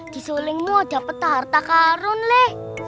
di sulingmu ada peta harta karun le